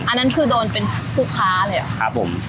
อันนั้นคือโดนเป็นผู้ค้าเลยอะครับผม